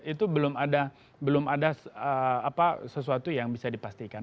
itu belum ada sesuatu yang bisa dipastikan